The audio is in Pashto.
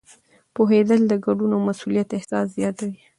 پوهېدل د ګډون او مسؤلیت احساس زیاتوي.